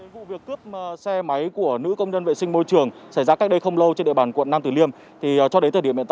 vụ việc cướp xe máy của nữ công nhân vệ sinh môi trường xảy ra cách đây không lâu trên địa bàn quận nam tử liêm